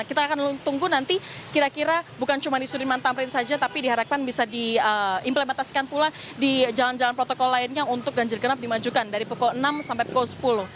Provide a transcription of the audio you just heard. kita akan tunggu nanti kira kira bukan cuma di sudirman tamrin saja tapi diharapkan bisa diimplementasikan pula di jalan jalan protokol lainnya untuk ganjil genap dimajukan dari pukul enam sampai pukul sepuluh